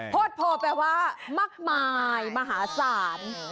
โพสต์พอแปลว่ามากมายมหาสาร